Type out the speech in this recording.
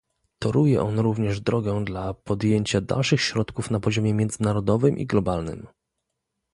Toruje on również drogę dla podjęcia dalszych środków na poziomie międzynarodowym i globalnym